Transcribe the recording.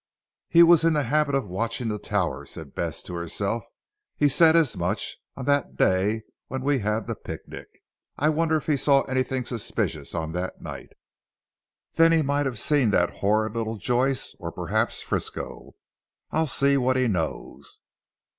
"He was in the habit of watching the tower," said Bess to herself, "he said as much on that day when we had the picnic. I wonder if he saw anything suspicious on that night; then he might have seen that horrid little Joyce, or perhaps Frisco. I'll see what he knows."